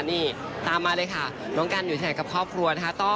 นี่ตามมาเลยค่ะน้องกันอยู่ที่ไหนกับครอบครัวนะคะ